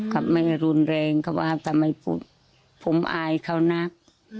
กับแม่รุนแรงเค้าว่าทำไมพูดผมอายเค้านัก